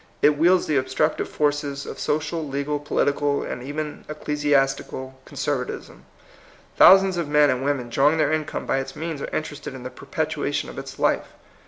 It wields the obstructive forces of social, legal, political, and even ecclesiastical con servatism. Thousands of men and women drawing their income by its means are interested in the perpetuation of its life.